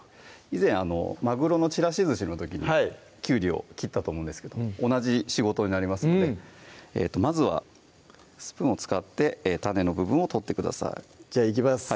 以前「まぐろのちらしずし」の時にきゅうりを切ったと思うんですけど同じ仕事になりますのでうんまずはスプーンを使って種の部分を取ってくださいじゃあいきます